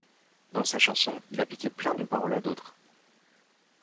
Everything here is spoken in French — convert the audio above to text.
Dans sa chanson il a piqué plein de paroles à d'autres.